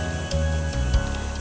ada pemakamannya ma